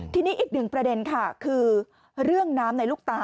ทีนี้อีกหนึ่งประเด็นค่ะคือเรื่องน้ำในลูกตา